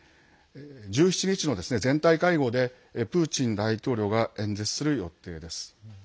１７日の全体会合でプーチン大統領が演説する予定です。